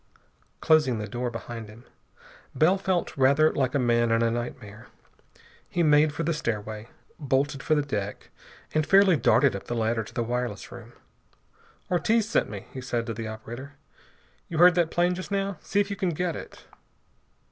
Closing the door behind him, Bell felt rather like a man in a nightmare. He made for the stairway, bolted for the deck, and fairly darted up the ladder to the wireless room. "Ortiz sent me," he said to the operator. "You heard that plane just now. See if you can get it."